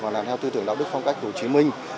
và làm theo tư tưởng đạo đức phong cách hồ chí minh